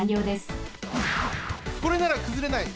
これならくずれない！